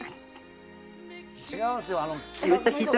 違うんですよ。